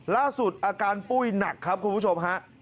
ล่าสุดอาการปุ้ยหนักครับคุณผู้ชมฮะ